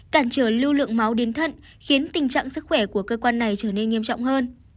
cản trở lưu lượng máu đến thận khiến tình trạng sức khỏe của cơ quan này trở nên nghiêm trọng hơn